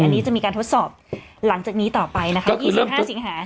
อันนี้จะมีการทดสอบหลังจากนี้ต่อไปนะคะ๒๕สิงหา